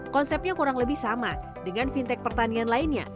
konsepnya kurang lebih sama dengan fintech pertanian lainnya